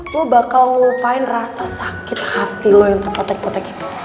gue bakal lupain rasa sakit hati lo yang terpotek potek itu